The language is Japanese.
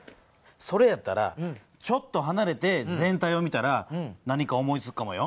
それやったらちょっとはなれて全体を見たら何か思いつくかもよ。